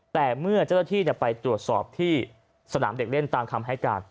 แต่เมื่อเจ้าหน้าที่ไปตรวจสอบที่สนามเด็กเล่นตามคำให้การ